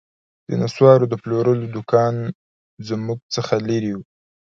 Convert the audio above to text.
د نسوارو د پلورلو دوکان زموږ څخه لیري و